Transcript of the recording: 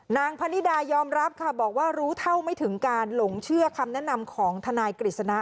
พนิดายอมรับค่ะบอกว่ารู้เท่าไม่ถึงการหลงเชื่อคำแนะนำของทนายกฤษณะ